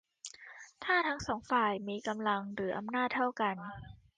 ถ้าทั้งสองฝ่ายมีกำลังหรืออำนาจเท่ากัน